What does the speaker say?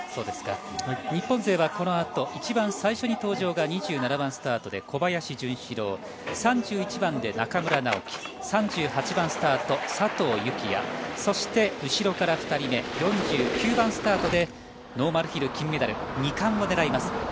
日本勢はこの後一番最初に登場が２７番スタートで小林潤志郎３１番で中村直幹３８番スタート、佐藤幸椰そして後ろから２人目４９番スタートでノーマルヒル金メダル２冠を狙います。